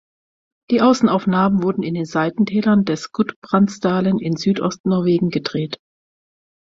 Die Außenaufnahmen wurden in den Seitentälern des Gudbrandsdalen in Süd-Ostnorwegen gedreht.